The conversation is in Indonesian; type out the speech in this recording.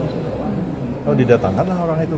kalau didatangkan lah orang itu